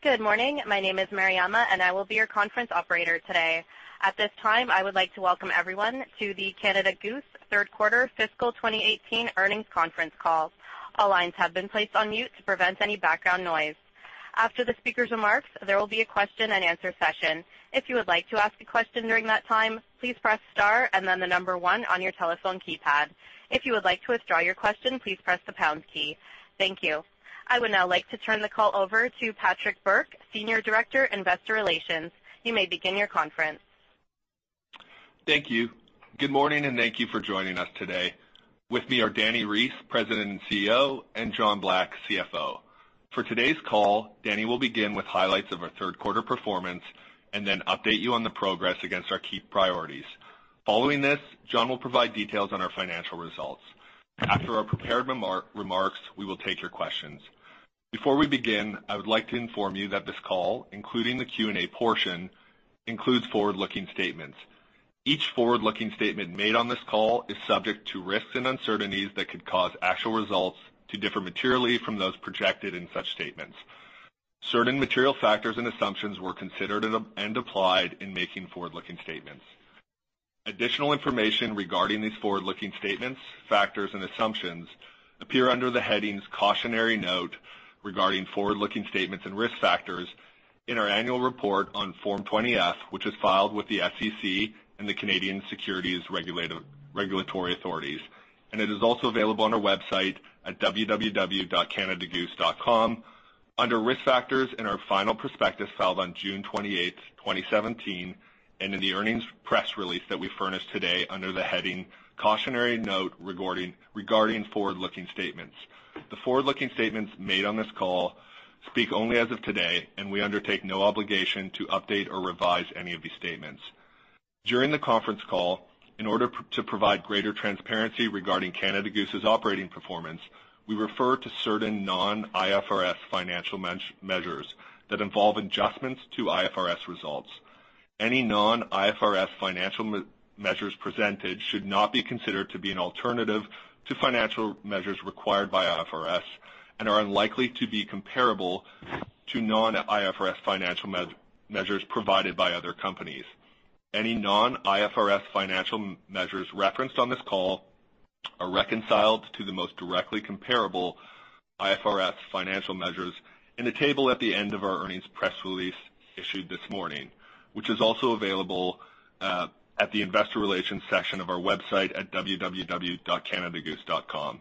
Good morning. My name is Mariama, and I will be your conference operator today. At this time, I would like to welcome everyone to the Canada Goose third quarter fiscal 2018 earnings conference call. All lines have been placed on mute to prevent any background noise. After the speaker's remarks, there will be a question and answer session. If you would like to ask a question during that time, please press star and then the number one on your telephone keypad. If you would like to withdraw your question, please press the pound key. Thank you. I would now like to turn the call over to Patrick Bourke, Senior Director, Investor Relations. You may begin your conference. Thank you. Good morning, and thank you for joining us today. With me are Dani Reiss, President and CEO, and John Black, CFO. For today's call, Dani will begin with highlights of our third quarter performance and then update you on the progress against our key priorities. Following this, John will provide details on our financial results. After our prepared remarks, we will take your questions. Before we begin, I would like to inform you that this call, including the Q&A portion, includes forward-looking statements. Each forward-looking statement made on this call is subject to risks and uncertainties that could cause actual results to differ materially from those projected in such statements. Certain material factors and assumptions were considered and applied in making forward-looking statements. Additional information regarding these forward-looking statements, factors, and assumptions appear under the headings "Cautionary Note Regarding Forward-Looking Statements and Risk Factors" in our annual report on Form 20-F, which is filed with the SEC and the Canadian securities regulatory authorities, and it is also available on our website at www.canadagoose.com under "Risk Factors" in our final prospectus filed on June 28th, 2017, and in the earnings press release that we furnished today under the heading "Cautionary Note Regarding Forward-Looking Statements." The forward-looking statements made on this call speak only as of today, and we undertake no obligation to update or revise any of these statements. During the conference call, in order to provide greater transparency regarding Canada Goose's operating performance, we refer to certain non-IFRS financial measures that involve adjustments to IFRS results. Any non-IFRS financial measures presented should not be considered to be an alternative to financial measures required by IFRS and are unlikely to be comparable to non-IFRS financial measures provided by other companies. Any non-IFRS financial measures referenced on this call are reconciled to the most directly comparable IFRS financial measures in the table at the end of our earnings press release issued this morning, which is also available at the investor relations section of our website at www.canadagoose.com.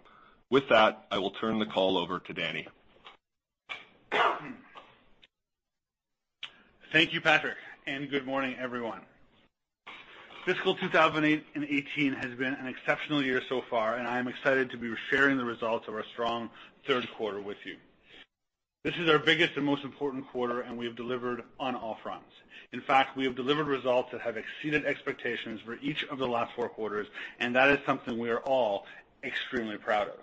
With that, I will turn the call over to Dani. Thank you, Patrick. Good morning, everyone. Fiscal 2018 has been an exceptional year so far. I am excited to be sharing the results of our strong third quarter with you. This is our biggest and most important quarter. We have delivered on all fronts. In fact, we have delivered results that have exceeded expectations for each of the last four quarters. That is something we are all extremely proud of.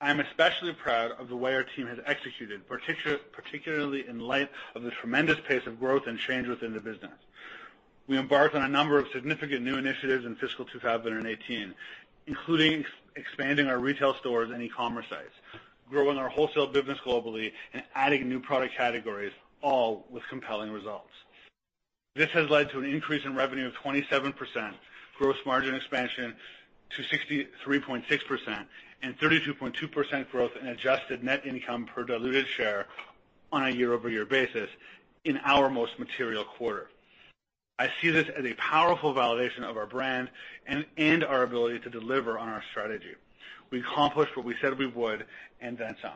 I am especially proud of the way our team has executed, particularly in light of the tremendous pace of growth and change within the business. We embarked on a number of significant new initiatives in fiscal 2018, including expanding our retail stores and e-commerce sites, growing our wholesale business globally, and adding new product categories, all with compelling results. This has led to an increase in revenue of 27%, gross margin expansion to 63.6%, and 32.2% growth in adjusted net income per diluted share on a year-over-year basis in our most material quarter. I see this as a powerful validation of our brand and our ability to deliver on our strategy. We accomplished what we said we would. Then some.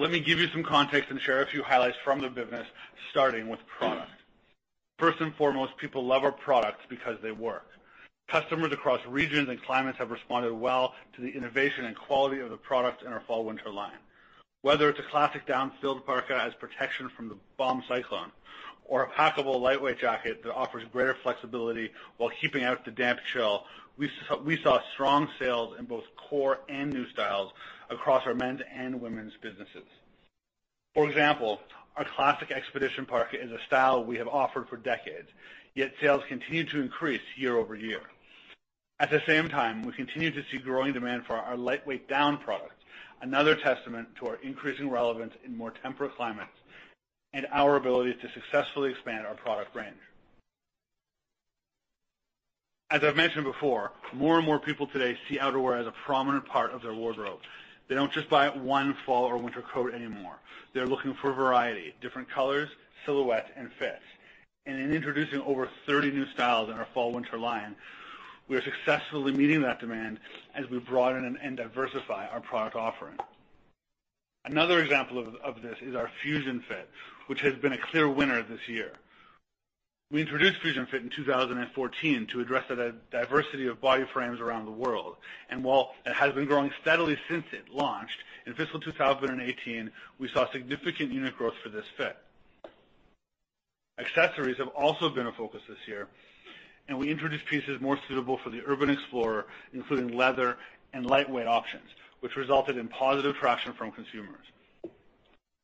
Let me give you some context and share a few highlights from the business, starting with product. First and foremost, people love our products because they work. Customers across regions and climates have responded well to the innovation and quality of the products in our fall/winter line. Whether it's a classic down-filled parka as protection from the bomb cyclone or a packable lightweight jacket that offers greater flexibility while keeping out the damp chill, we saw strong sales in both core and new styles across our men's and women's businesses. For example, our classic Expedition Parka is a style we have offered for decades, yet sales continue to increase year-over-year. At the same time, we continue to see growing demand for our lightweight down product, another testament to our increasing relevance in more temperate climates and our ability to successfully expand our product range. As I've mentioned before, more and more people today see outerwear as a prominent part of their wardrobe. They don't just buy one fall or winter coat anymore. They're looking for variety, different colors, silhouettes, and fits. In introducing over 30 new styles in our fall/winter line, we are successfully meeting that demand as we broaden and diversify our product offering. Another example of this is our Fusion Fit, which has been a clear winner this year. We introduced Fusion Fit in 2014 to address the diversity of body frames around the world. While it has been growing steadily since it launched, in fiscal 2018, we saw significant unit growth for this fit. Accessories have also been a focus this year. We introduced pieces more suitable for the urban explorer, including leather and lightweight options, which resulted in positive traction from consumers.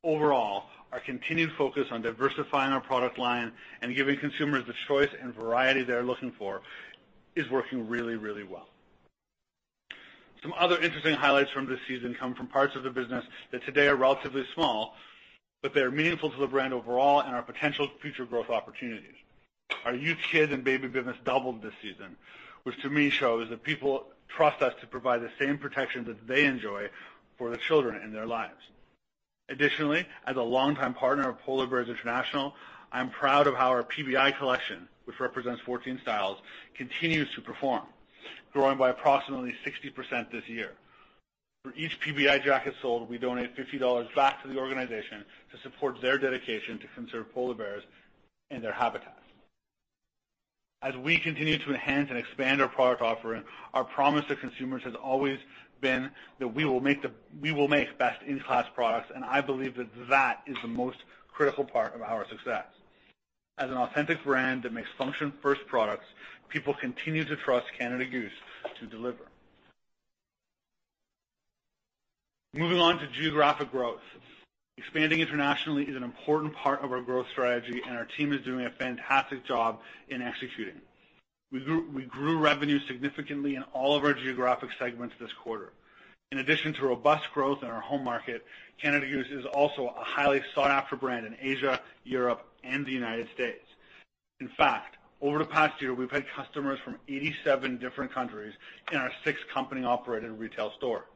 Overall, our continued focus on diversifying our product line and giving consumers the choice and variety they're looking for is working really, really well. Some other interesting highlights from this season come from parts of the business that today are relatively small, but they are meaningful to the brand overall and our potential future growth opportunities. Our youth kid and baby business doubled this season, which to me shows that people trust us to provide the same protection that they enjoy for the children in their lives. Additionally, as a longtime partner of Polar Bears International, I'm proud of how our PBI collection, which represents 14 styles, continues to perform, growing by approximately 60% this year. For each PBI jacket sold, we donate 50 dollars back to the organization to support their dedication to conserve polar bears and their habitats. As we continue to enhance and expand our product offering, our promise to consumers has always been that we will make best-in-class products. I believe that that is the most critical part of our success. As an authentic brand that makes function first products, people continue to trust Canada Goose to deliver. Moving on to geographic growth. Expanding internationally is an important part of our growth strategy. Our team is doing a fantastic job in executing. We grew revenue significantly in all of our geographic segments this quarter. In addition to robust growth in our home market, Canada Goose is also a highly sought-after brand in Asia, Europe, and the U.S. In fact, over the past year, we've had customers from 87 different countries in our six company-operated retail store.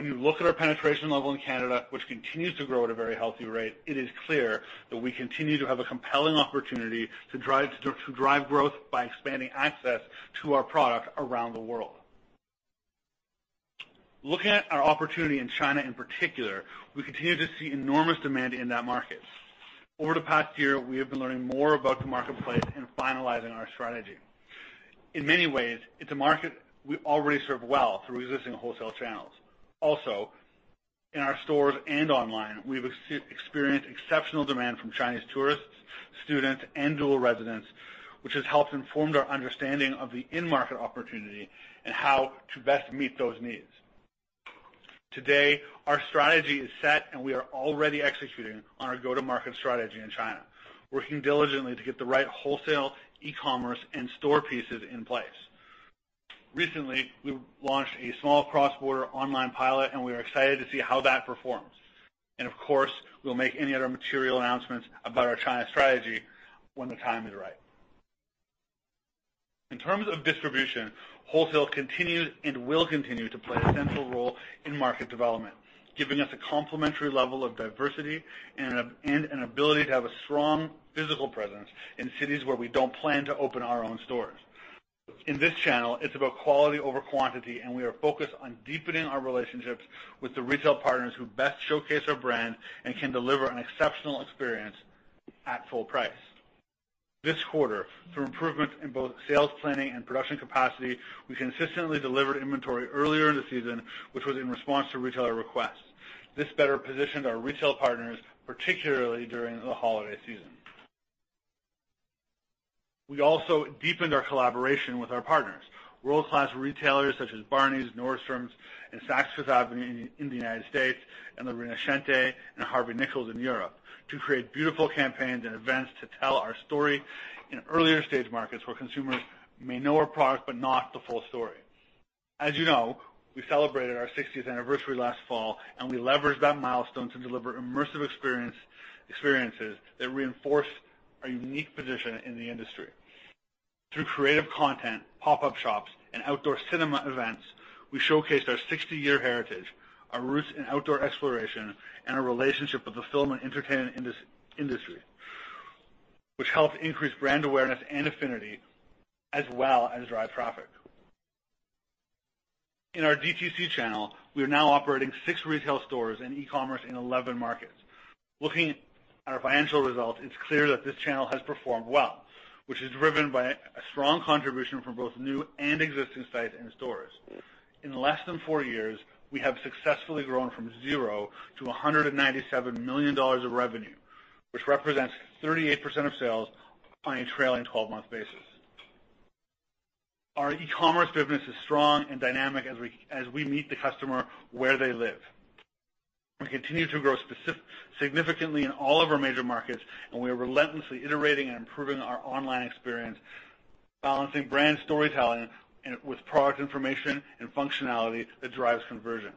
When you look at our penetration level in Canada, which continues to grow at a very healthy rate, it is clear that we continue to have a compelling opportunity to drive growth by expanding access to our product around the world. Looking at our opportunity in China in particular, we continue to see enormous demand in that market. Over the past year, we have been learning more about the marketplace and finalizing our strategy. In many ways, it's a market we already serve well through existing wholesale channels. Also, in our stores and online, we've experienced exceptional demand from Chinese tourists, students, and dual residents, which has helped inform our understanding of the in-market opportunity and how to best meet those needs. Today, our strategy is set. We are already executing on our go-to-market strategy in China, working diligently to get the right wholesale, e-commerce, and store pieces in place. Recently, we launched a small cross-border online pilot. We are excited to see how that performs. Of course, we'll make any other material announcements about our China strategy when the time is right. In terms of distribution, wholesale continues and will continue to play a central role in market development, giving us a complementary level of diversity and an ability to have a strong physical presence in cities where we don't plan to open our own stores. In this channel, it's about quality over quantity. We are focused on deepening our relationships with the retail partners who best showcase our brand and can deliver an exceptional experience at full price. This quarter, through improvements in both sales planning and production capacity, we consistently delivered inventory earlier in the season, which was in response to retailer requests. This better positioned our retail partners, particularly during the holiday season. We also deepened our collaboration with our partners, world-class retailers such as Barneys, Nordstrom, and Saks Fifth Avenue in the United States, and La Rinascente and Harvey Nichols in Europe to create beautiful campaigns and events to tell our story in earlier-stage markets where consumers may know our product but not the full story. As you know, we celebrated our 60th anniversary last fall, and we leveraged that milestone to deliver immersive experiences that reinforce our unique position in the industry. Through creative content, pop-up shops, and outdoor cinema events, we showcased our 60-year heritage, our roots in outdoor exploration, and our relationship with the film and entertainment industry, which helped increase brand awareness and affinity as well as drive traffic. In our D2C channel, we are now operating six retail stores and e-commerce in 11 markets. Looking at our financial results, it's clear that this channel has performed well, which is driven by a strong contribution from both new and existing sites and stores. In less than four years, we have successfully grown from zero to 197 million dollars of revenue, which represents 38% of sales on a trailing 12-month basis. Our e-commerce business is strong and dynamic as we meet the customer where they live. We continue to grow significantly in all of our major markets, and we are relentlessly iterating and improving our online experience, balancing brand storytelling with product information and functionality that drives conversion.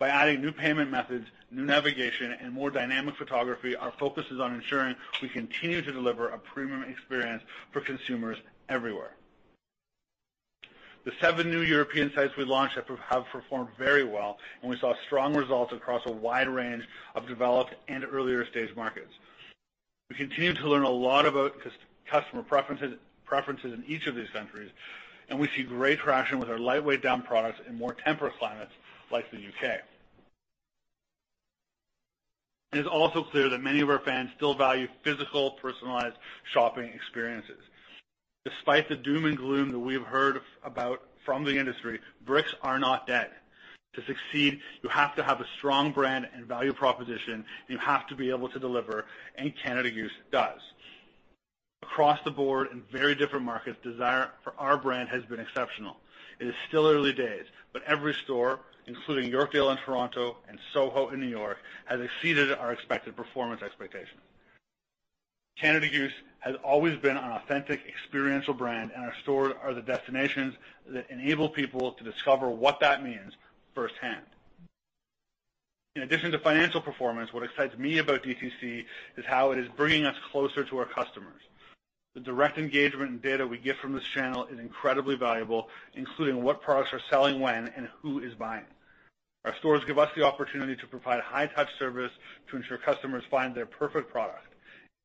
By adding new payment methods, new navigation, and more dynamic photography, our focus is on ensuring we continue to deliver a premium experience for consumers everywhere. The seven new European sites we launched have performed very well, and we saw strong results across a wide range of developed and earlier-stage markets. We continue to learn a lot about customer preferences in each of these countries, and we see great traction with our lightweight down products in more temperate climates like the U.K. It is also clear that many of our fans still value physical, personalized shopping experiences. Despite the doom and gloom that we have heard about from the industry, bricks are not dead. To succeed, you have to have a strong brand and value proposition, and you have to be able to deliver, and Canada Goose does. Across the board in very different markets, desire for our brand has been exceptional. It is still early days, but every store, including Yorkdale in Toronto and Soho in New York, has exceeded our expected performance expectation. Canada Goose has always been an authentic experiential brand, and our stores are the destinations that enable people to discover what that means firsthand. In addition to financial performance, what excites me about DTC is how it is bringing us closer to our customers. The direct engagement and data we get from this channel is incredibly valuable, including what products are selling when and who is buying. Our stores give us the opportunity to provide high touch service to ensure customers find their perfect product.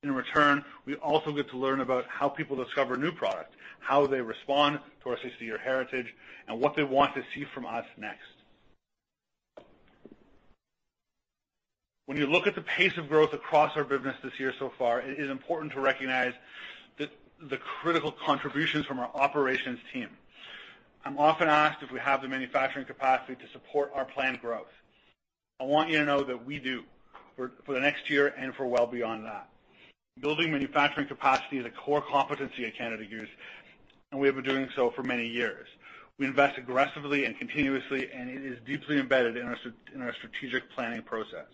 In return, we also get to learn about how people discover new products, how they respond to our 60-year heritage, and what they want to see from us next. When you look at the pace of growth across our business this year so far, it is important to recognize the critical contributions from our operations team. I'm often asked if we have the manufacturing capacity to support our planned growth. I want you to know that we do for the next year and for well beyond that. Building manufacturing capacity is a core competency at Canada Goose, and we have been doing so for many years. We invest aggressively and continuously, and it is deeply embedded in our strategic planning process.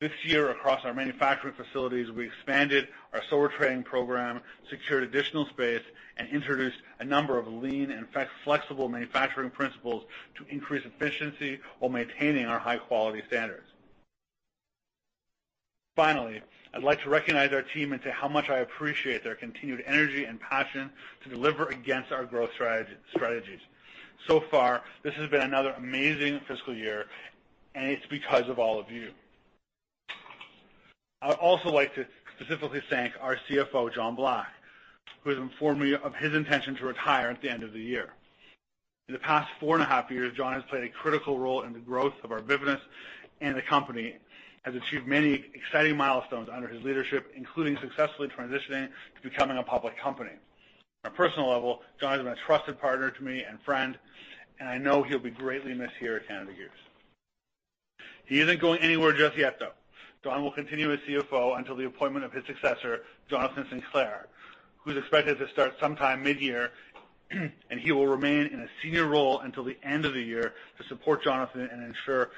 This year, across our manufacturing facilities, we expanded our sewer training program, secured additional space, and introduced a number of lean and flexible manufacturing principles to increase efficiency while maintaining our high-quality standards. Finally, I'd like to recognize our team and say how much I appreciate their continued energy and passion to deliver against our growth strategies. So far, this has been another amazing fiscal year, and it's because of all of you. I would also like to specifically thank our CFO, John Black, who has informed me of his intention to retire at the end of the year. In the past four and a half years, John has played a critical role in the growth of our business, and the company has achieved many exciting milestones under his leadership, including successfully transitioning to becoming a public company. On a personal level, John has been a trusted partner to me and friend, I know he'll be greatly missed here at Canada Goose. He isn't going anywhere just yet, though. John will continue as CFO until the appointment of his successor, Jonathan Sinclair, who's expected to start sometime mid-year, he will remain in a senior role until the end of the year to support Jonathan and ensure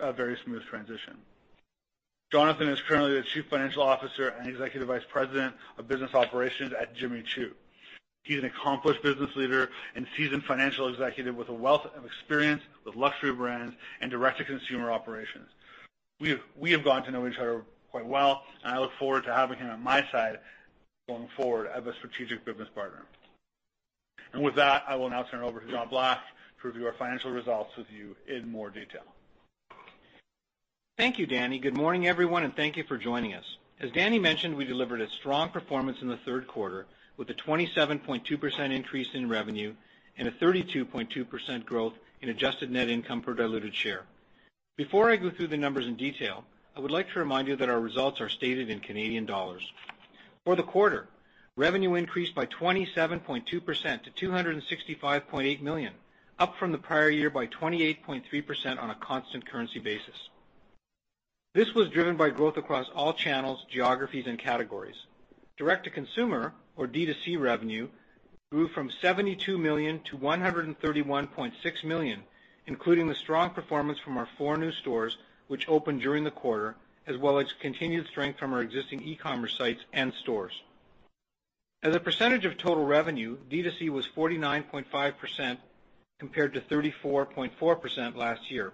a very smooth transition. Jonathan is currently the Chief Financial Officer and Executive Vice President of business operations at Jimmy Choo. He's an accomplished business leader and seasoned financial executive with a wealth of experience with luxury brands and direct-to-consumer operations. We have gotten to know each other quite well, I look forward to having him on my side going forward as a strategic business partner. With that, I will now turn it over to John Black to review our financial results with you in more detail. Thank you, Dani. Good morning, everyone, and thank you for joining us. As Dani mentioned, we delivered a strong performance in the third quarter with a 27.2% increase in revenue and a 32.2% growth in adjusted net income per diluted share. Before I go through the numbers in detail, I would like to remind you that our results are stated in Canadian dollars. For the quarter, revenue increased by 27.2% to 265.8 million, up from the prior year by 28.3% on a constant currency basis. This was driven by growth across all channels, geographies, and categories. Direct-to-consumer, or D2C, revenue grew from 72 million to 131.6 million, including the strong performance from our four new stores which opened during the quarter, as well as continued strength from our existing e-commerce sites and stores. As a percentage of total revenue, D2C was 49.5% compared to 34.4% last year.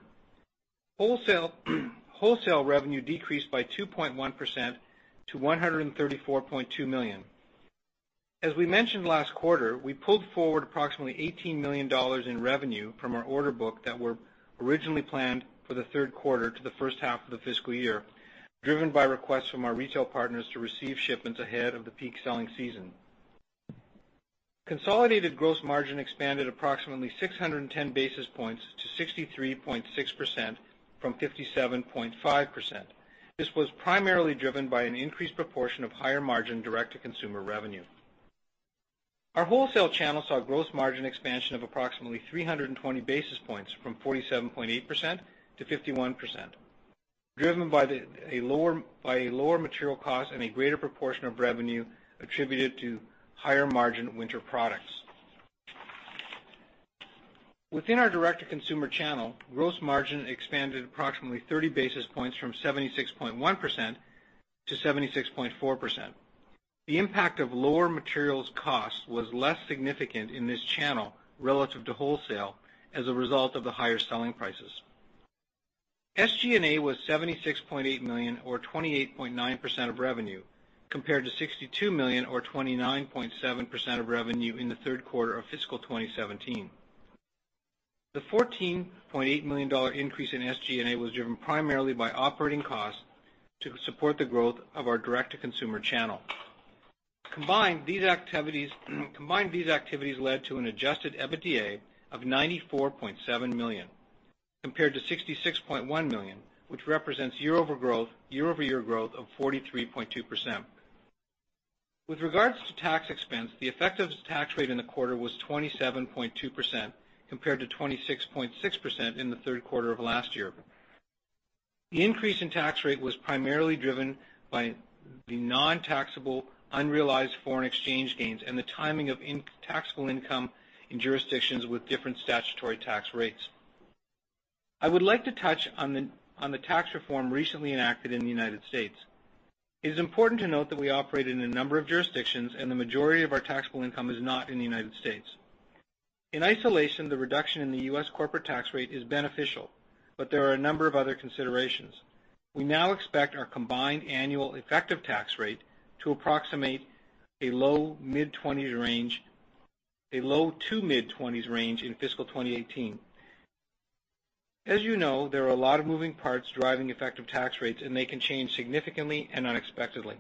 Wholesale revenue decreased by 2.1% to 134.2 million. As we mentioned last quarter, we pulled forward approximately 18 million dollars in revenue from our order book that were originally planned for the third quarter to the first half of the fiscal year, driven by requests from our retail partners to receive shipments ahead of the peak selling season. Consolidated gross margin expanded approximately 610 basis points to 63.6% from 57.5%. This was primarily driven by an increased proportion of higher margin direct-to-consumer revenue. Our wholesale channel saw gross margin expansion of approximately 320 basis points from 47.8% to 51%, driven by a lower material cost and a greater proportion of revenue attributed to higher margin winter products. Within our direct-to-consumer channel, gross margin expanded approximately 30 basis points from 76.1% to 76.4%. The impact of lower materials cost was less significant in this channel relative to wholesale as a result of the higher selling prices. SGA was 76.8 million or 28.9% of revenue, compared to 62 million or 29.7% of revenue in the third quarter of fiscal 2017. The 14.8 million dollar increase in SGA was driven primarily by operating costs to support the growth of our direct-to-consumer channel. Combined, these activities led to an adjusted EBITDA of 94.7 million compared to 66.1 million, which represents year-over-year growth of 43.2%. With regards to tax expense, the effective tax rate in the quarter was 27.2% compared to 26.6% in the third quarter of last year. The increase in tax rate was primarily driven by the non-taxable unrealized foreign exchange gains and the timing of taxable income in jurisdictions with different statutory tax rates. I would like to touch on the tax reform recently enacted in the U.S. It is important to note that we operate in a number of jurisdictions, and the majority of our taxable income is not in the United States. In isolation, the reduction in the U.S. corporate tax rate is beneficial, but there are a number of other considerations. We now expect our combined annual effective tax rate to approximate a low to mid-20s range in fiscal 2018. As you know, there are a lot of moving parts driving effective tax rates, and they can change significantly and unexpectedly.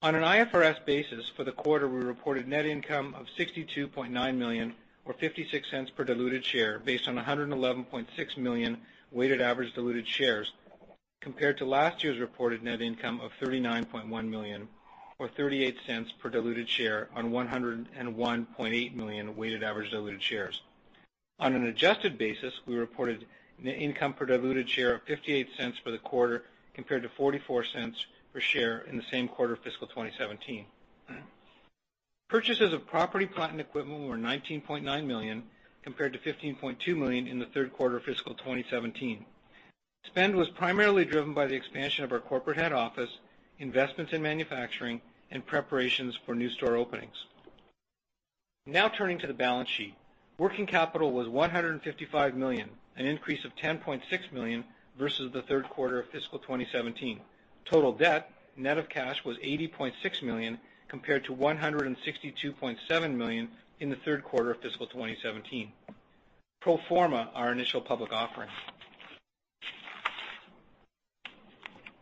On an IFRS basis for the quarter, we reported net income of 62.9 million or 0.56 per diluted share based on 111.6 million weighted average diluted shares, compared to last year's reported net income of 39.1 million or 0.38 per diluted share on 101.8 million weighted average diluted shares. On an adjusted basis, we reported net income per diluted share of 0.58 for the quarter, compared to 0.44 per share in the same quarter of fiscal 2017. Purchases of property, plant, and equipment were 19.9 million, compared to 15.2 million in the third quarter of fiscal 2017. Spend was primarily driven by the expansion of our corporate head office, investments in manufacturing, and preparations for new store openings. Now turning to the balance sheet. Working capital was 155 million, an increase of 10.6 million versus the third quarter of fiscal 2017. Total debt, net of cash, was 80.6 million, compared to 162.7 million in the third quarter of fiscal 2017. Pro forma, our initial public offering.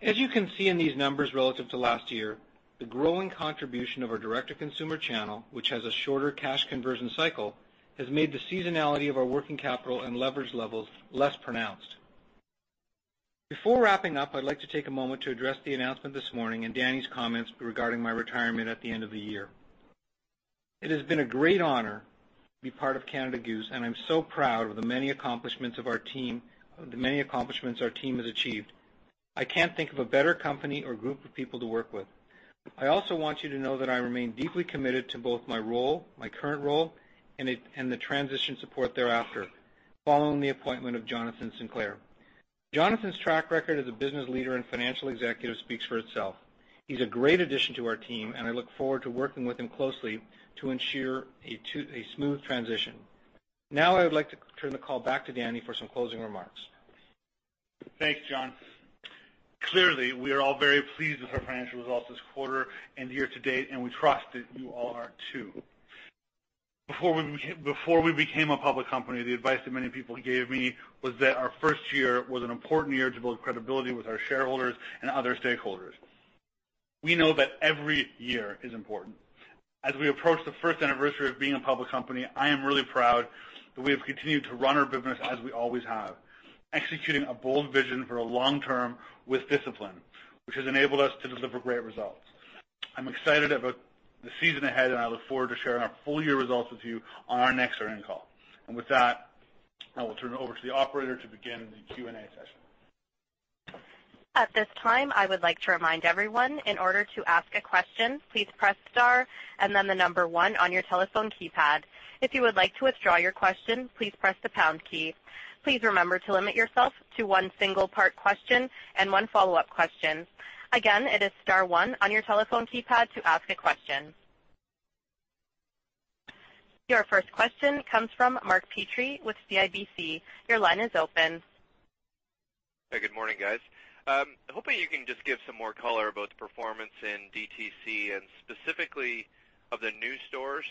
As you can see in these numbers relative to last year, the growing contribution of our direct-to-consumer channel, which has a shorter cash conversion cycle, has made the seasonality of our working capital and leverage levels less pronounced. Before wrapping up, I'd like to take a moment to address the announcement this morning and Dani's comments regarding my retirement at the end of the year. It has been a great honor to be part of Canada Goose, and I'm so proud of the many accomplishments our team has achieved. I can't think of a better company or group of people to work with. I also want you to know that I remain deeply committed to both my current role and the transition support thereafter, following the appointment of Jonathan Sinclair. Jonathan's track record as a business leader and financial executive speaks for itself. He's a great addition to our team, and I look forward to working with him closely to ensure a smooth transition. Now I would like to turn the call back to Dani for some closing remarks. Thanks, John. Clearly, we are all very pleased with our financial results this quarter and year to date, and we trust that you all are too. Before we became a public company, the advice that many people gave me was that our first year was an important year to build credibility with our shareholders and other stakeholders. We know that every year is important. As we approach the first anniversary of being a public company, I am really proud that we have continued to run our business as we always have, executing a bold vision for a long term with discipline, which has enabled us to deliver great results. I'm excited about the season ahead, and I look forward to sharing our full year results with you on our next earnings call. With that, I will turn it over to the operator to begin the Q&A session. At this time, I would like to remind everyone, in order to ask a question, please press star and then the number one on your telephone keypad. If you would like to withdraw your question, please press the pound key. Please remember to limit yourself to one single-part question and one follow-up question. Again, it is star one on your telephone keypad to ask a question. Your first question comes from Mark Petrie with CIBC. Your line is open. Good morning, guys. Hoping you can just give some more color about the performance in DTC and specifically of the new stores,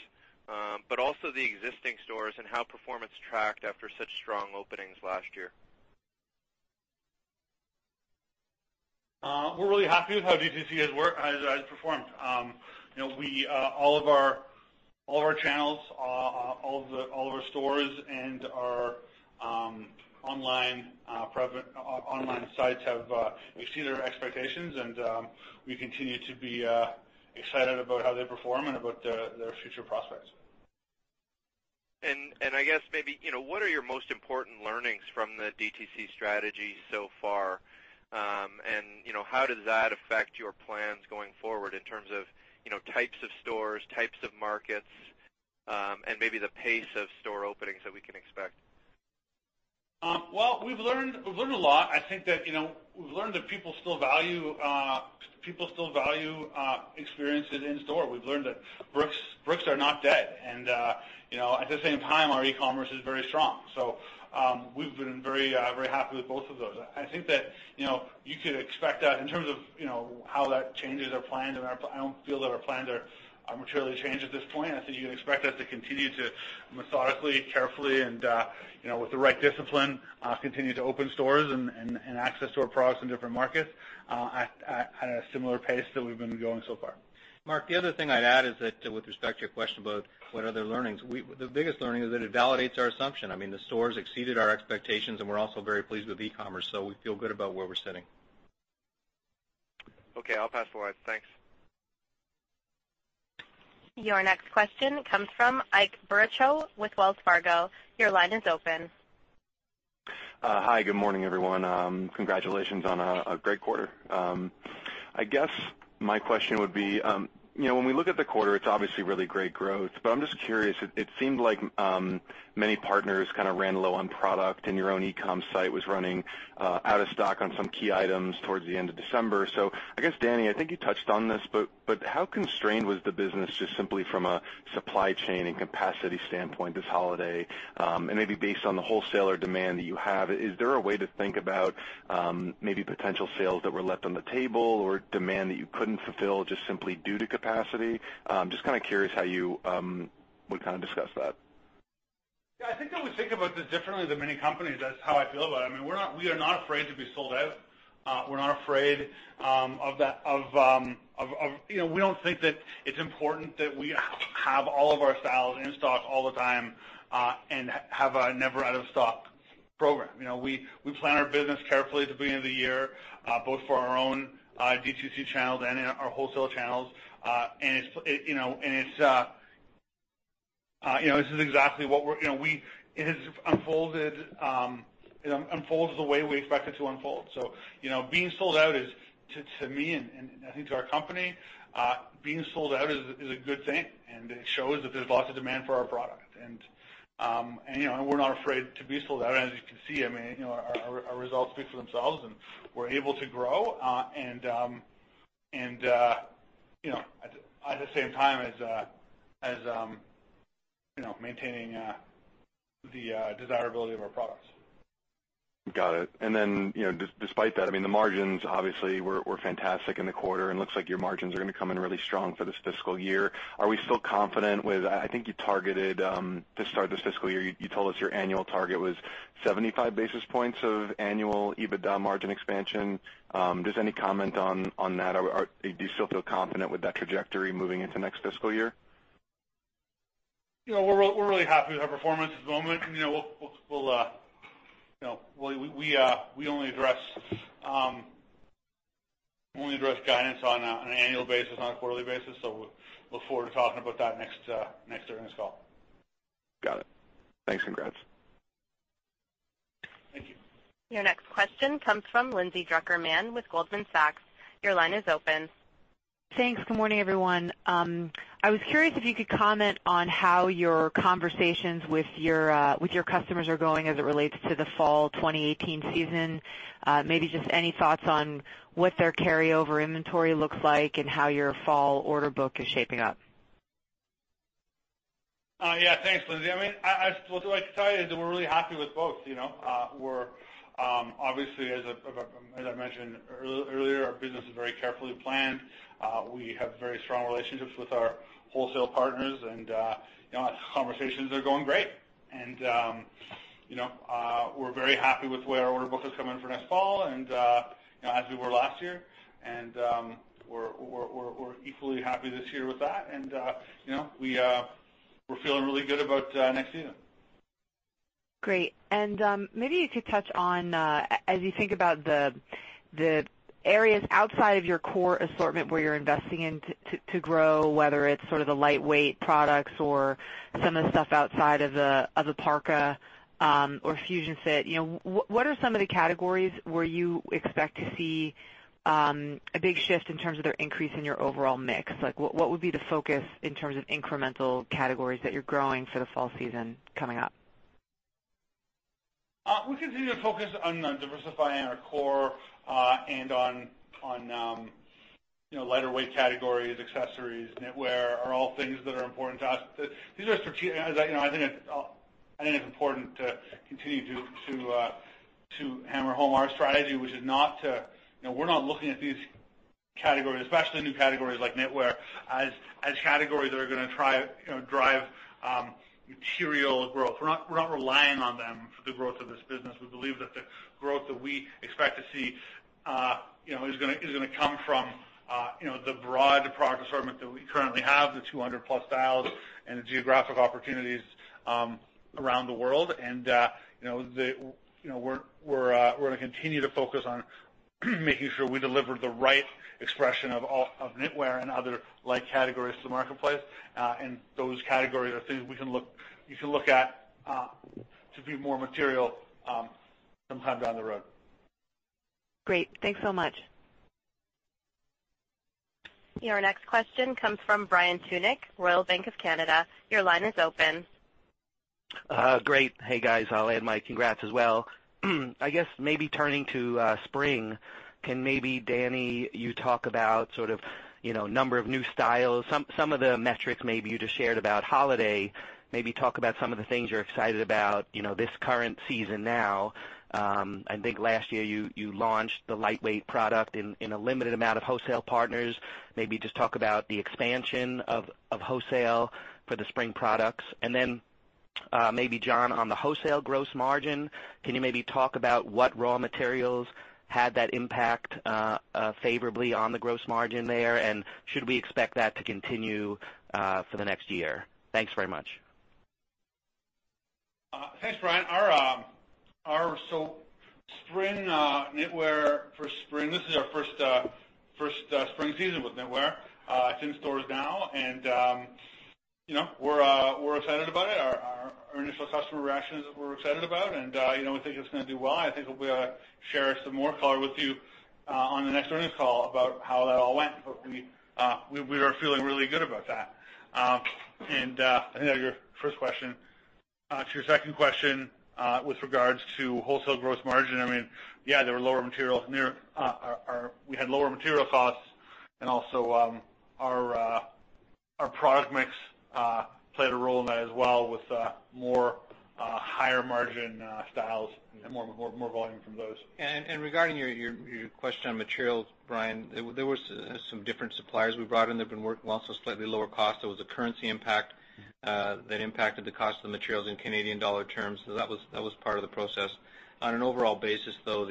but also the existing stores and how performance tracked after such strong openings last year. We're really happy with how DTC has performed. All of our channels, all of our stores and our online sites have exceeded our expectations, and we continue to be excited about how they perform and about their future prospects. I guess maybe, what are your most important learnings from the DTC strategy so far? How does that affect your plans going forward in terms of types of stores, types of markets, and maybe the pace of store openings that we can expect? Well, we've learned a lot. I think that we've learned that people still value experiences in store. We've learned that bricks are not dead, and at the same time, our e-commerce is very strong. We've been very happy with both of those. I think that you could expect that in terms of how that changes our plans, and I don't feel that our plans are materially changed at this point. I think you can expect us to continue to methodically, carefully, and with the right discipline, continue to open stores and access to our products in different markets at a similar pace that we've been going so far. Mark, the other thing I'd add is that with respect to your question about what are their learnings, the biggest learning is that it validates our assumption. I mean, the stores exceeded our expectations, and we're also very pleased with e-commerce. We feel good about where we're sitting. Okay, I'll pass the line. Thanks. Your next question comes from Ike Boruchow with Wells Fargo. Your line is open. Hi, good morning, everyone. Congratulations on a great quarter. My question would be, when we look at the quarter, it's obviously really great growth. I'm just curious. It seemed like many partners ran low on product, and your own e-comm site was running out of stock on some key items towards the end of December. Dani, I think you touched on this. How constrained was the business just simply from a supply chain and capacity standpoint this holiday? Maybe based on the wholesaler demand that you have, is there a way to think about maybe potential sales that were left on the table or demand that you couldn't fulfill just simply due to capacity? I'm just curious how you would discuss that. I think that we think about this differently than many companies. That's how I feel about it. I mean, we are not afraid to be sold out. We don't think that it's important that we have all of our styles in stock all the time and have a never out of stock program. We plan our business carefully at the beginning of the year, both for our own D2C channels and our wholesale channels. This is exactly what It has unfolded the way we expect it to unfold. To me, and I think to our company, being sold out is a good thing, and it shows that there's lots of demand for our product. We're not afraid to be sold out, as you can see. I mean, our results speak for themselves, and we're able to grow, and at the same time as maintaining the desirability of our products. Got it. Despite that, I mean, the margins obviously were fantastic in the quarter, and looks like your margins are going to come in really strong for this fiscal year. Are we still confident? I think you targeted, to start this fiscal year, you told us your annual target was 75 basis points of annual EBITDA margin expansion. Any comment on that, or do you still feel confident with that trajectory moving into next fiscal year? We're really happy with our performance at the moment. We only address guidance on an annual basis, not a quarterly basis. Look forward to talking about that next earnings call. Got it. Thanks, and congrats. Thank you. Your next question comes from Lindsay Drucker Mann with Goldman Sachs. Your line is open. Thanks. Good morning, everyone. I was curious if you could comment on how your conversations with your customers are going as it relates to the fall 2018 season. Maybe just any thoughts on what their carryover inventory looks like and how your fall order book is shaping up. Yeah. Thanks, Lindsay. I mean, what do I say is that we're really happy with both. Obviously, as I mentioned earlier, our business is very carefully planned. We have very strong relationships with our wholesale partners. Conversations are going great. We're very happy with where our order book is coming for next fall, as we were last year. We're equally happy this year with that. We're feeling really good about next season. Great. Maybe if you could touch on, as you think about the areas outside of your core assortment where you're investing in to grow, whether it's sort of the lightweight products or some of the stuff outside of the parka or Fusion Fit. What are some of the categories where you expect to see a big shift in terms of their increase in your overall mix? What would be the focus in terms of incremental categories that you're growing for the fall season coming up? We continue to focus on diversifying our core and on lighter weight categories, accessories, knitwear, are all things that are important to us. I think it's important to continue to hammer home our strategy. We're not looking at these categories, especially new categories like knitwear, as categories that are going to drive material growth. We're not relying on them for the growth of this business. We believe that the growth that we expect to see is going to come from the broad product assortment that we currently have, the 200-plus styles and the geographic opportunities around the world. We're going to continue to focus on making sure we deliver the right expression of knitwear and other like categories to the marketplace. Those categories are things you can look at to be more material sometime down the road. Great. Thanks so much. Your next question comes from Brian Tunick, Royal Bank of Canada. Your line is open. Great. Hey, guys. I'll add my congrats as well. I guess maybe turning to spring, can maybe, Dani, you talk about sort of number of new styles, some of the metrics maybe you just shared about holiday? Maybe talk about some of the things you're excited about this current season now? I think last year, you launched the lightweight product in a limited amount of wholesale partners. Maybe just talk about the expansion of wholesale for the spring products? Maybe, John, on the wholesale gross margin, can you maybe talk about what raw materials had that impact favorably on the gross margin there, and should we expect that to continue for the next year? Thanks very much. Thanks, Brian. Spring knitwear for spring, this is our first spring season with knitwear. It's in stores now, and we're excited about it. Our initial customer reactions that we're excited about, and we think it's going to do well. I think we'll be able to share some more color with you on the next earnings call about how that all went. Hopefully. We are feeling really good about that. I think that's your first question. To your second question, with regards to wholesale gross margin, yeah, we had lower material costs, also our product mix played a role in that as well with more higher margin styles and more volume from those. Regarding your question on materials, Brian, there was some different suppliers we brought in that have been working also slightly lower cost. There was a currency impact that impacted the cost of the materials in CAD terms. That was part of the process. On an overall basis though,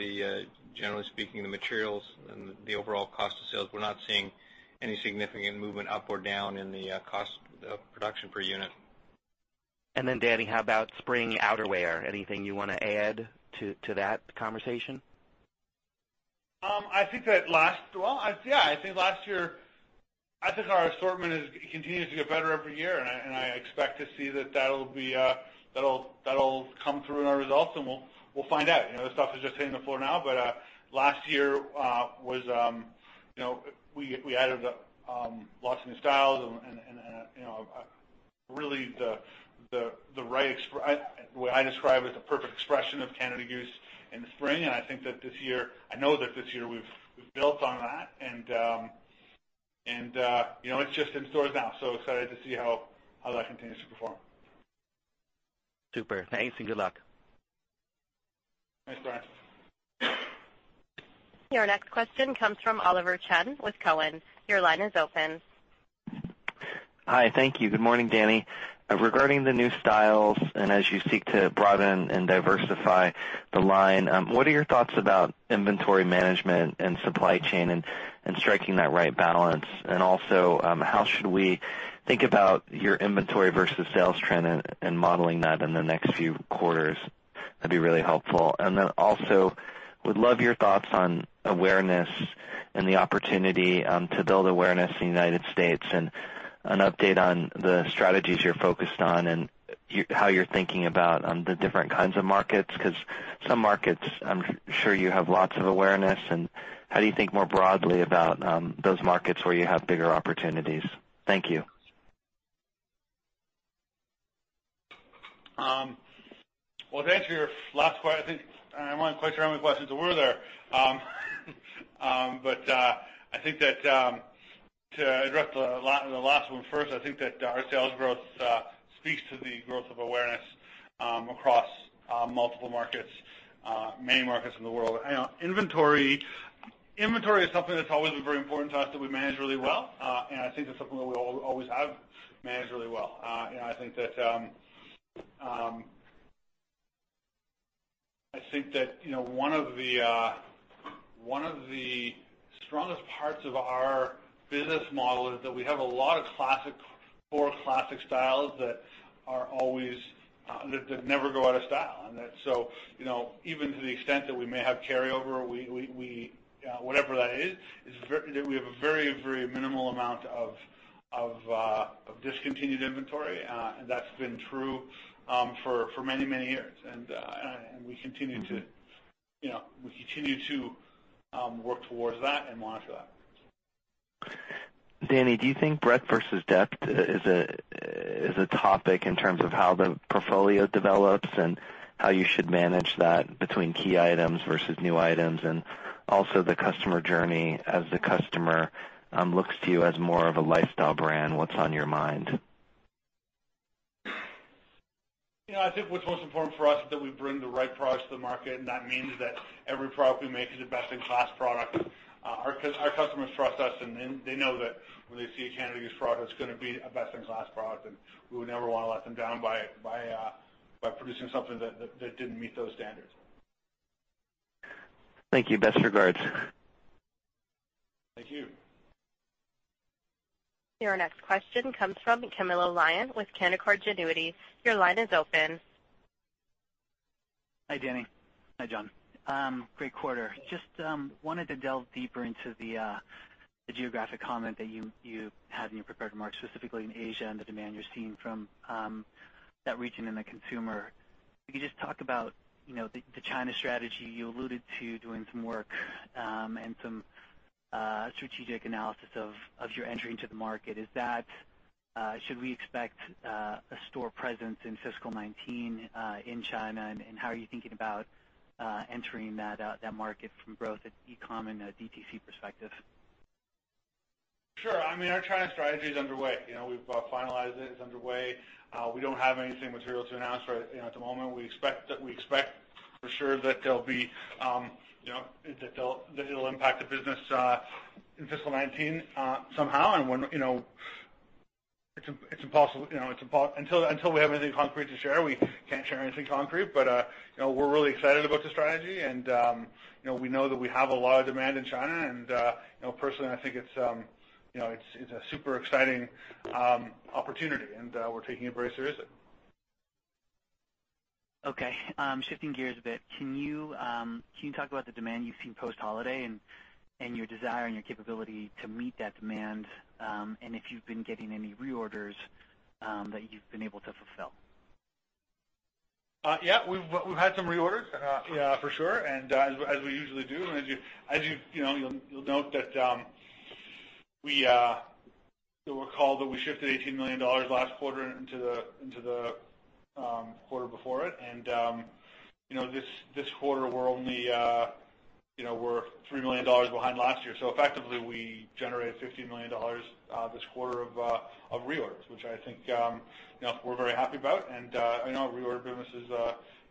generally speaking, the materials and the overall cost of sales, we're not seeing any significant movement up or down in the cost of production per unit. Dani, how about spring outerwear? Anything you want to add to that conversation? I think our assortment continues to get better every year, and I expect to see that that'll come through in our results, and we'll find out. This stuff is just hitting the floor now. Last year, we added lots of new styles and really what I describe as the perfect expression of Canada Goose in the spring. I know that this year we've built on that, and it's just in stores now, so excited to see how that continues to perform. Super. Thanks. Good luck. Thanks, Brian. Your next question comes from Oliver Chen with Cowen. Your line is open. Hi. Thank you. Good morning, Dani. Regarding the new styles, as you seek to broaden and diversify the line, what are your thoughts about inventory management and supply chain and striking that right balance? Also, how should we think about your inventory versus sales trend and modeling that in the next few quarters? That'd be really helpful. Then also, would love your thoughts on awareness and the opportunity to build awareness in the United States, and an update on the strategies you're focused on and how you're thinking about the different kinds of markets. Because some markets, I'm sure you have lots of awareness, and how do you think more broadly about those markets where you have bigger opportunities? Thank you. Well, to answer your last question, I think I might question how many questions were there but I think that, to address the last one first, I think that our sales growth speaks to the growth of awareness across multiple markets, many markets in the world. Inventory is something that's always been very important to us, that we manage really well. I think that's something that we always have managed really well. I think that one of the strongest parts of our business model is that we have a lot of core classic styles that never go out of style. Even to the extent that we may have carryover, whatever that is, we have a very minimal amount of discontinued inventory. That's been true for many years. We continue to work towards that and monitor that. Dani, do you think breadth versus depth is a topic in terms of how the portfolio develops and how you should manage that between key items versus new items, and also the customer journey as the customer looks to you as more of a lifestyle brand? What's on your mind? I think what's most important for us is that we bring the right products to the market, and that means that every product we make is a best-in-class product. Our customers trust us, and they know that when they see a Canada Goose product, it's going to be a best-in-class product, and we would never want to let them down by producing something that didn't meet those standards. Thank you. Best regards. Thank you. Your next question comes from Camilo Lyon with Canaccord Genuity. Your line is open. Hi, Dani. Hi, John. Great quarter. Just wanted to delve deeper into the geographic comment that you had in your prepared remarks, specifically in Asia and the demand you're seeing from that region and the consumer. If you could just talk about the China strategy. You alluded to doing some work and some strategic analysis of your entry into the market. Should we expect a store presence in fiscal 2019 in China, how are you thinking about entering that market from both an e-com and a DTC perspective? Sure. Our China strategy is underway. We've finalized it. It's underway. We don't have anything material to announce at the moment. We expect for sure that it'll impact the business in fiscal 2019 somehow. Until we have anything concrete to share, we can't share anything concrete. We're really excited about the strategy, and we know that we have a lot of demand in China, and personally, I think it's a super exciting opportunity, and we're taking it very seriously. Okay. Shifting gears a bit, can you talk about the demand you've seen post-holiday, and your desire and your capability to meet that demand? If you've been getting any reorders that you've been able to fulfill? Yeah, we've had some reorders, for sure, as we usually do, as you'll note that we recalled that we shifted 18 million dollars last quarter into the quarter before it. This quarter we're only 3 million dollars behind last year. Effectively, we generated 15 million dollars this quarter of reorders, which I think we're very happy about. Our reorder business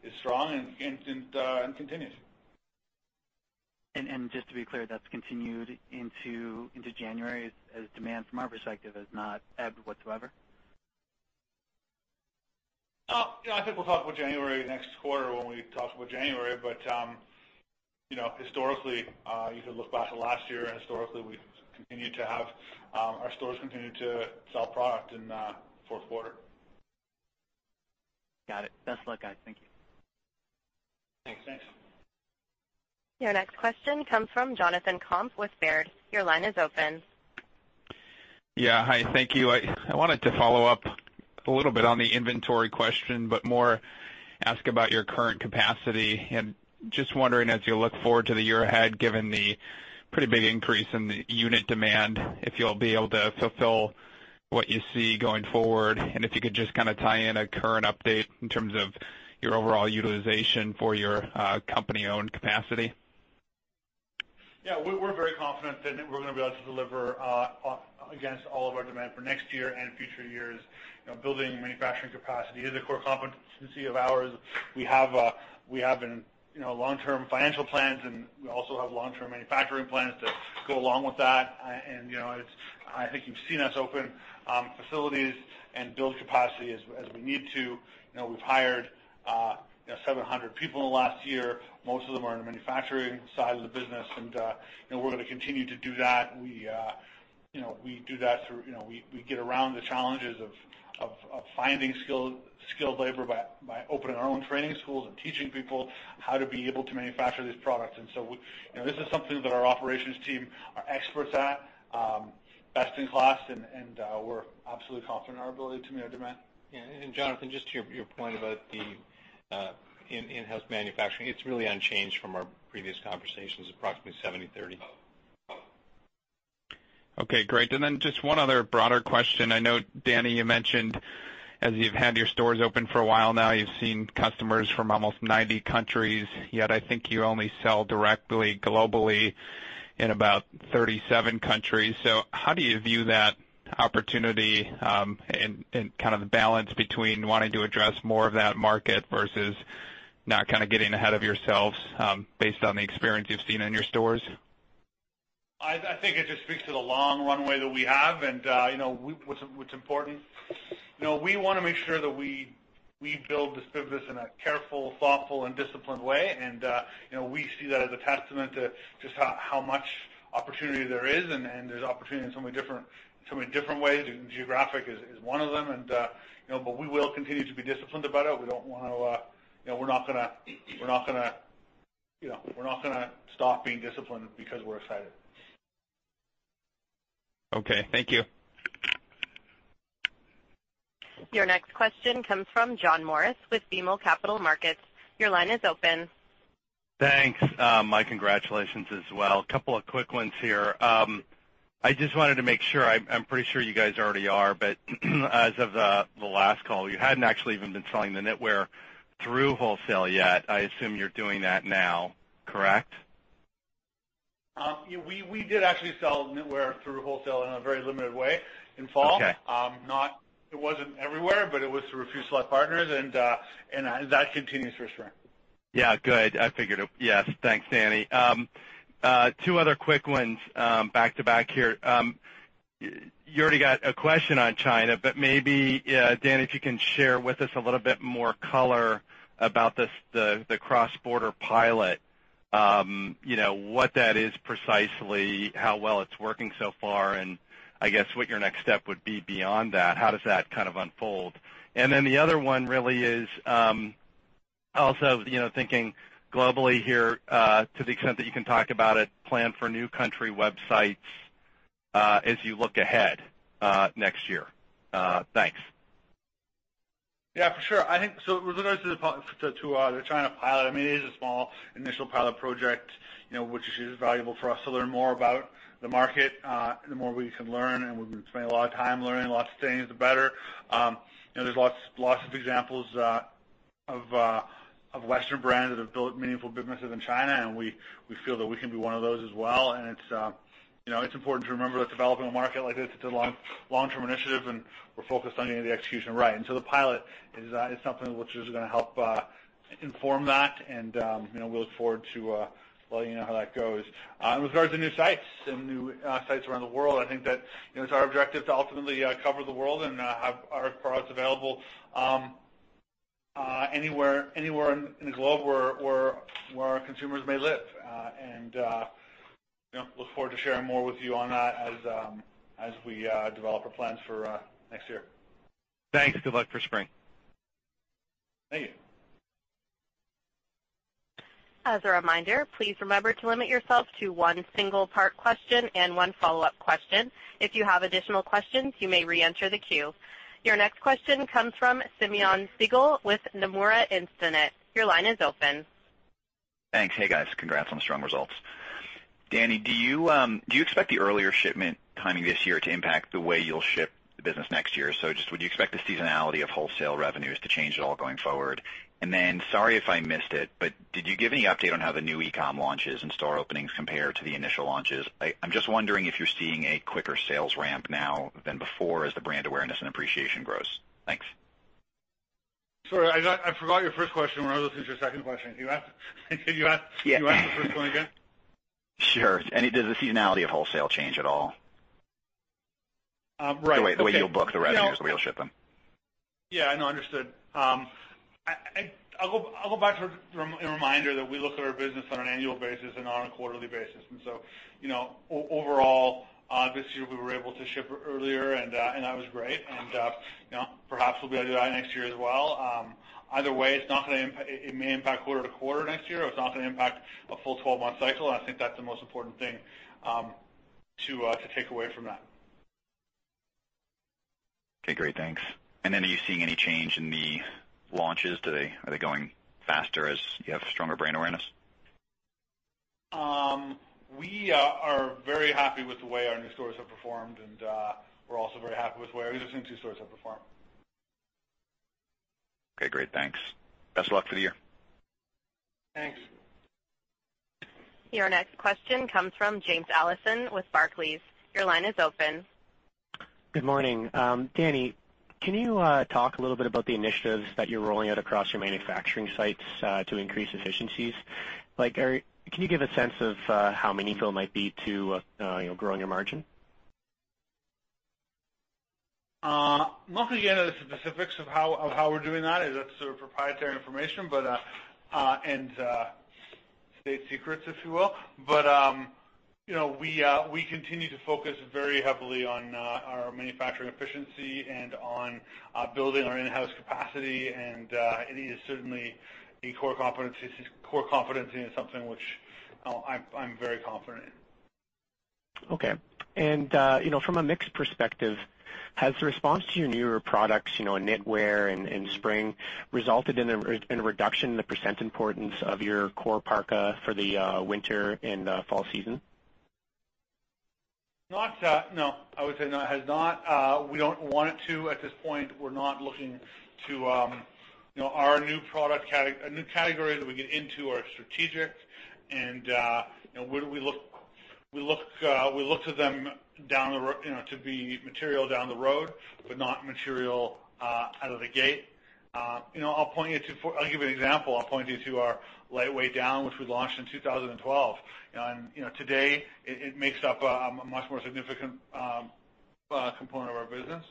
is strong and continues. Just to be clear, that's continued into January, as demand from our perspective has not ebbed whatsoever? I think we'll talk about January next quarter when we talk about January. Historically, you could look back at last year and historically our stores continued to sell product in the fourth quarter. Got it. Best of luck, guys. Thank you. Thanks. Your next question comes from Jonathan Komp with Baird. Your line is open. Yeah. Hi, thank you. I wanted to follow up a little bit on the inventory question, more ask about your current capacity. Just wondering, as you look forward to the year ahead, given the pretty big increase in the unit demand, if you'll be able to fulfill what you see going forward, and if you could just tie in a current update in terms of your overall utilization for your company-owned capacity. Yeah, we're very confident that we're going to be able to deliver against all of our demand for next year and future years. Building manufacturing capacity is a core competency of ours. We have long-term financial plans, we also have long-term manufacturing plans to go along with that. I think you've seen us open facilities and build capacity as we need to. We've hired 700 people in the last year. Most of them are in the manufacturing side of the business, we're going to continue to do that. We get around the challenges of finding skilled labor by opening our own training schools and teaching people how to be able to manufacture these products. This is something that our operations team are experts at, best in class, and we're absolutely confident in our ability to meet our demand. Jonathan, just to your point about the in-house manufacturing, it's really unchanged from our previous conversations, approximately 70/30. Okay, great. Just one other broader question. I know, Dani, you mentioned as you've had your stores open for a while now, you've seen customers from almost 90 countries. Yet I think you only sell directly globally in about 37 countries. How do you view that opportunity and kind of the balance between wanting to address more of that market versus not kind of getting ahead of yourselves based on the experience you've seen in your stores? I think it just speaks to the long runway that we have and what's important. We want to make sure that we build this business in a careful, thoughtful, and disciplined way. We see that as a testament to just how much opportunity there is, and there's opportunity in so many different ways, and geographic is one of them. We will continue to be disciplined about it. We're not going to stop being disciplined because we're excited. Okay. Thank you. Your next question comes from John Morris with BMO Capital Markets. Your line is open. Thanks. My congratulations as well. Couple of quick ones here. I just wanted to make sure, I'm pretty sure you guys already are, but as of the last call, you hadn't actually even been selling the knitwear through wholesale yet. I assume you're doing that now, correct? We did actually sell knitwear through wholesale in a very limited way in fall. Okay. It wasn't everywhere. It was through a few select partners. That continues for sure. Yeah, good. I figured it. Yes. Thanks, Dani. Two other quick ones back to back here. You already got a question on China, but maybe, Dani, if you can share with us a little bit more color about the cross-border pilot. What that is precisely, how well it's working so far, and I guess what your next step would be beyond that. How does that kind of unfold? The other one really is also thinking globally here, to the extent that you can talk about a plan for new country websites as you look ahead next year. Thanks. Yeah, for sure. I think so with regards to the China pilot, it is a small initial pilot project, which is valuable for us to learn more about the market. The more we can learn and we can spend a lot of time learning lots of things, the better. There's lots of examples of Western brands that have built meaningful businesses in China, and we feel that we can be one of those as well. It's important to remember that developing a market like this, it's a long-term initiative, and we're focused on getting the execution right. The pilot is something which is going to help inform that, and we look forward to letting you know how that goes. With regards to new sites and new sites around the world, I think that it's our objective to ultimately cover the world and have our products available anywhere in the globe where our consumers may live. look forward to sharing more with you on that as we develop our plans for next year. Thanks. Good luck for spring. Thank you. As a reminder, please remember to limit yourself to one single part question and one follow-up question. If you have additional questions, you may reenter the queue. Your next question comes from Simeon Siegel with Nomura Instinet. Your line is open. Thanks. Hey, guys. Congrats on the strong results. Dani, do you expect the earlier shipment timing this year to impact the way you'll ship the business next year? Just would you expect the seasonality of wholesale revenues to change at all going forward? Then, sorry if I missed it, but did you give any update on how the new e-com launches and store openings compare to the initial launches? I'm just wondering if you're seeing a quicker sales ramp now than before, as the brand awareness and appreciation grows. Thanks. Sorry, I forgot your first question when I was listening to your second question. Can you ask the first one again? Sure. Does the seasonality of wholesale change at all? Right. The way you'll book the revenues, the way you'll ship them. Yeah, I know. Understood. I'll go back to a reminder that we look at our business on an annual basis and not on a quarterly basis. Overall, this year we were able to ship earlier, and that was great. Perhaps we'll be able to do that next year as well. Either way, it may impact quarter to quarter next year, or it's not going to impact a full 12-month cycle, and I think that's the most important thing to take away from that. Okay, great. Thanks. Are you seeing any change in the launches? Are they going faster as you have stronger brand awareness? We are very happy with the way our new stores have performed, and we're also very happy with the way our existing two stores have performed. Okay, great. Thanks. Best of luck for the year. Thanks. Your next question comes from James Allison with Barclays. Your line is open. Good morning. Dani, can you talk a little bit about the initiatives that you're rolling out across your manufacturing sites to increase efficiencies? Can you give a sense of how meaningful it might be to growing your margin? I'm not going to get into the specifics of how we're doing that, as that's sort of proprietary information and state secrets, if you will. We continue to focus very heavily on our manufacturing efficiency and on building our in-house capacity. It is certainly a core competency and something which I'm very confident in. Okay. From a mix perspective, has the response to your newer products, in knitwear and spring, resulted in a reduction in the % importance of your core parka for the winter and fall season? No. I would say not. It has not. We don't want it to. At this point, we're not looking to. Our new categories that we get into are strategic, and we look to them to be material down the road, but not material out of the gate. I'll give you an example. I'll point you to our lightweight down, which we launched in 2012. Today, it makes up a much more significant component of our business.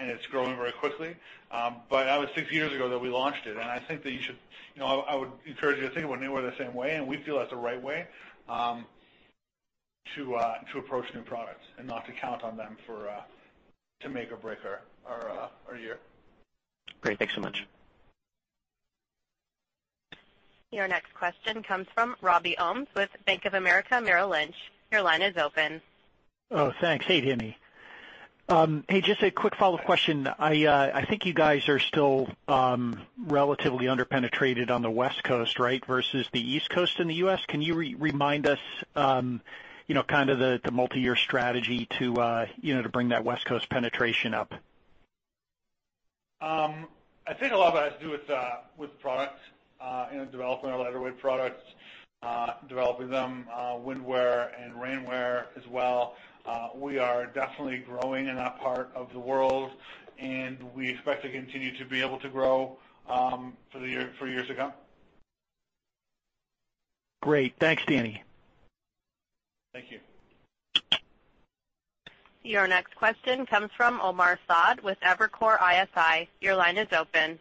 It's growing very quickly. That was six years ago that we launched it, and I would encourage you to think about knitwear the same way, and we feel that's the right way to approach new products and not to count on them to make or break our year. Great. Thanks so much. Your next question comes from Robbie Ohmes with Bank of America Merrill Lynch. Your line is open. Oh, thanks. Hey, Dani. Hey, just a quick follow-up question. I think you guys are still relatively under-penetrated on the West Coast, right, versus the East Coast in the U.S. Can you remind us the multi-year strategy to bring that West Coast penetration up? I think a lot of that has to do with products and developing our lightweight products. Developing them, windwear and rainwear as well. We are definitely growing in that part of the world, and we expect to continue to be able to grow for years to come. Great. Thanks, Dani. Thank you. Your next question comes from Omar Saad with Evercore ISI. Your line is open.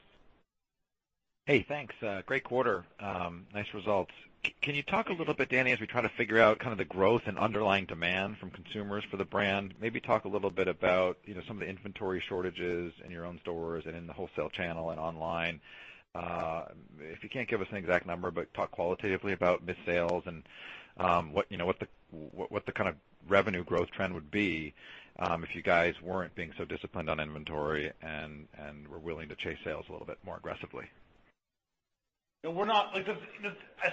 Hey, thanks. Great quarter. Nice results. Can you talk a little bit, Dani, as we try to figure out the growth and underlying demand from consumers for the brand, maybe talk a little bit about some of the inventory shortages in your own stores and in the wholesale channel and online. If you can't give us an exact number, but talk qualitatively about missed sales and what the kind of revenue growth trend would be if you guys weren't being so disciplined on inventory and were willing to chase sales a little bit more aggressively. I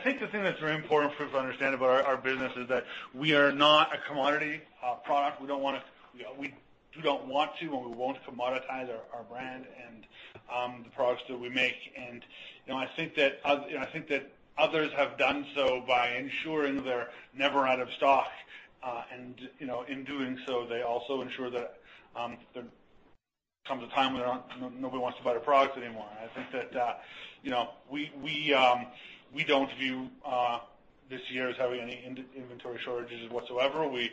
think the thing that's very important for people to understand about our business is that we are not a commodity product. We don't want to, and we won't commoditize our brand and the products that we make. I think that others have done so by ensuring they're never out of stock. In doing so, they also ensure that there comes a time when nobody wants to buy their products anymore. I think that we don't view this year as having any inventory shortages whatsoever. We,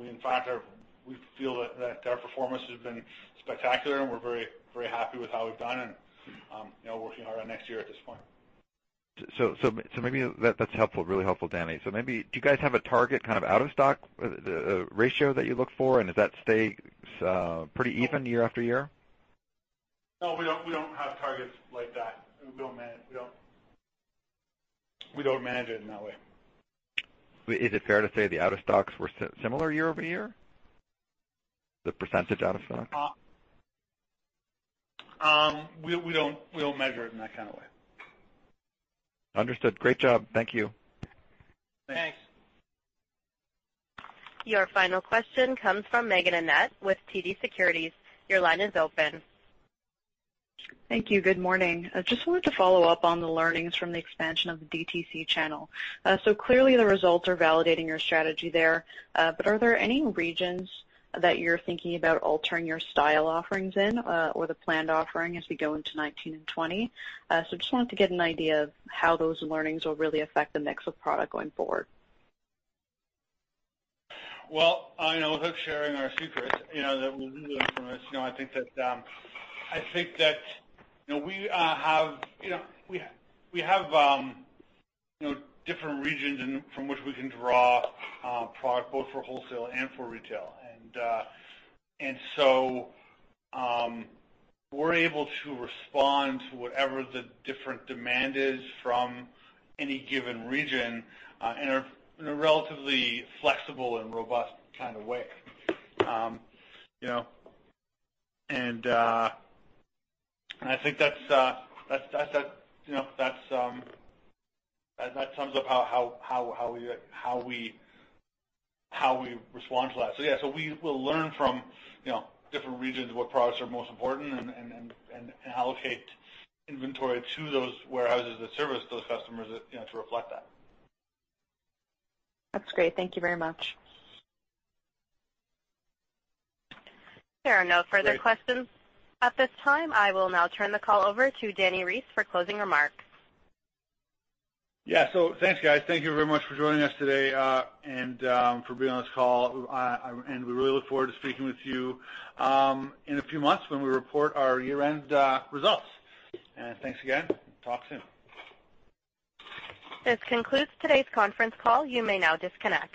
in fact, feel that our performance has been spectacular, and we're very, very happy with how we've done and working on our next year at this point. Maybe that's really helpful, Dani. Maybe do you guys have a target out-of-stock ratio that you look for? Does that stay pretty even year after year? No, we don't have targets like that, and we don't manage it in that way. Is it fair to say the out-of-stocks were similar year-over-year? The percentage out-of-stocks. We don't measure it in that kind of way. Understood. Great job. Thank you. Thanks. Your final question comes from Meaghen Annett with TD Securities. Your line is open. Thank you. Good morning. I just wanted to follow up on the learnings from the expansion of the DTC channel. Clearly the results are validating your strategy there. Are there any regions that you're thinking about altering your style offerings in, or the planned offering as we go into 2019 and 2020? I just wanted to get an idea of how those learnings will really affect the mix of product going forward. Well, without sharing our secrets, that will do that for us. I think that we have different regions from which we can draw product, both for wholesale and for retail. We're able to respond to whatever the different demand is from any given region in a relatively flexible and robust kind of way. I think that sums up how we respond to that. Yeah, we'll learn from different regions what products are most important and allocate inventory to those warehouses that service those customers to reflect that. That's great. Thank you very much. There are no further questions at this time. I will now turn the call over to Dani Reiss for closing remarks. Yeah. Thanks, guys. Thank you very much for joining us today and for being on this call, and we really look forward to speaking with you in a few months when we report our year-end results. Thanks again. Talk soon. This concludes today's conference call. You may now disconnect.